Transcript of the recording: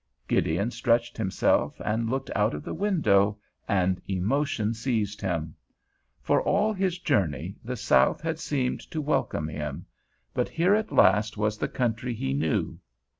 Gideon stretched himself, and looked out of the window, and emotion seized him. For all his journey the South had seemed to welcome him, but here at last was the country he knew.